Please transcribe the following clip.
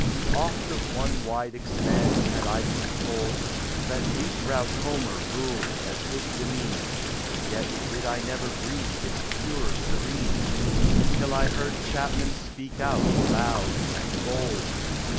Oft of one wide expanse had I been told That deep browed Homer ruled as his dem Yet did I never breathe its pure serene Till I heard Chapmanspeak out loud and hold.